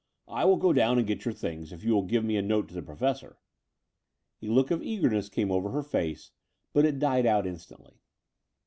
" I will go down and get your things, if you will give me a note to the Professor." A look of eagerness came over her face; but it died out instantly.